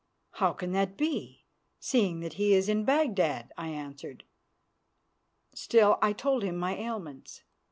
"How can that be, seeing that he is in Baghdad?" I answered. Still, I told him my ailments.